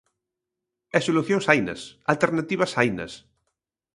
E solucións hainas, alternativas hainas.